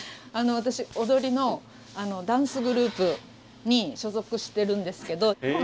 私踊りのダンスグループに所属してるんですけど。